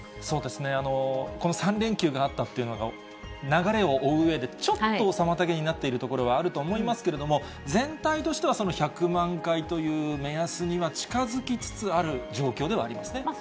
そうですね、この３連休があったっていうのが、流れを追ううえで、ちょっと妨げになっているところはあると思いますけれども、全体としては、１００万回という目安には近づきつつある状況ではありますね。